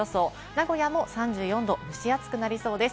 名古屋も３４度、蒸し暑くなりそうです。